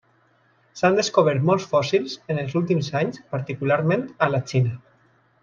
S'han descobert molts fòssils en els últims anys, particularment a la Xina.